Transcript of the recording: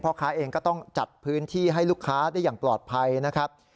ค้าเองก็ต้องจัดพื้นที่ให้ลูกค้าได้อย่างปลอดภัยนะครับ